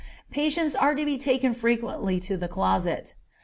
Patients are to be taken frequently to the closet.